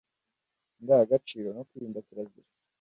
indangagaciro no kwirinda kirazira